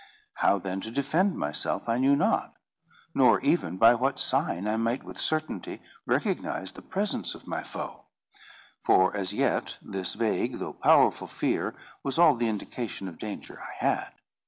How then to defend myself I knew not; nor even by what sign I might with certainty recognise the presence of my foe; for as yet this vague though powerful fear was all the indication of danger I had.